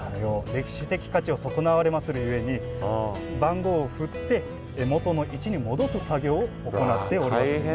歴史的価値を損なわれまするゆえに番号を振って元の位置に戻す作業を行っておるわけで。